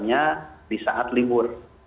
pertama di saat libur